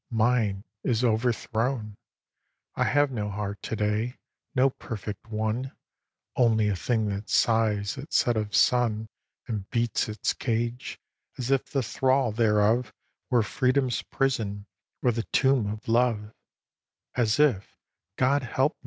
Mine is overthrown. I have no heart to day, no perfect one, Only a thing that sighs at set of sun And beats its cage, as if the thrall thereof Were freedom's prison or the tomb of love; As if, God help me!